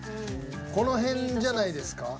この辺じゃないですか。